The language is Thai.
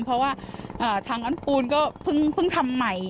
เพราะว่าทางอันปูนก็เพิ่งทำใหม่